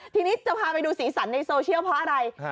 ทีนี้จะพาไปดูสีสันในโซเชียลเพราะอะไร